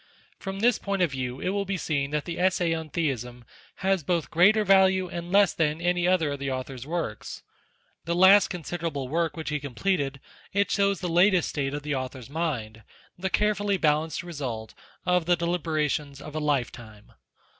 From this point of view it will be seen that the Essay on Theism has both greater value and less than any other of the Author's works. The last consider able work which he completed, it shows the latest state of the Author's mind, the carefully balanced result of the deliberations of a lifetime.